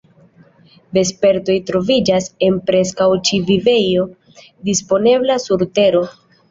Vespertoj troviĝas en preskaŭ ĉiu vivejo disponebla sur Tero.